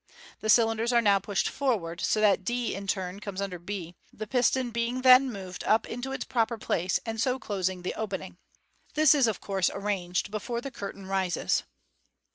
The cylinders are now pushed forward, so that d in turn comes under b, the piston being then moved up into its proper place, and so closing the openiug. This is, of course?, arranged before the curtain rises.